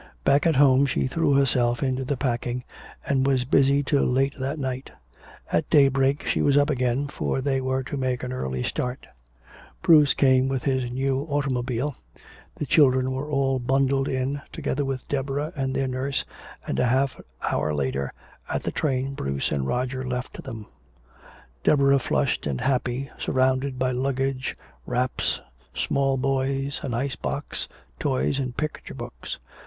Back at home she threw herself into the packing and was busy till late that night. At daybreak she was up again, for they were to make an early start. Bruce came with his new automobile, the children were all bundled in, together with Deborah and their nurse, and a half hour later at the train Bruce and Roger left them Deborah flushed and happy, surrounded by luggage, wraps, small boys, an ice box, toys and picture books.